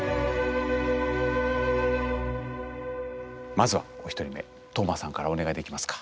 まずはお１人目トウマさんからお願いできますか。